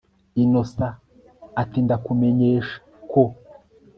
Innocent atindakumenyesha ko